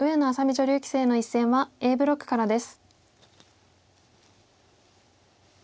女流棋聖の一戦はＡブロックからです。